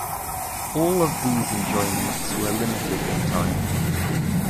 All of these enjoyments were limited in time.